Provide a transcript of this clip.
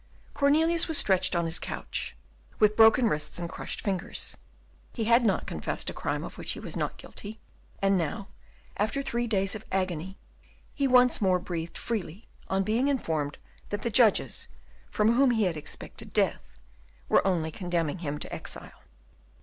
Cornelius was stretched on his couch, with broken wrists and crushed fingers. He had not confessed a crime of which he was not guilty; and now, after three days of agony, he once more breathed freely, on being informed that the judges, from whom he had expected death, were only condemning him to exile.